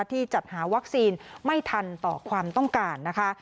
ที่จัดหาวัคซีนไม่ทันต่อความต้องการนะคะ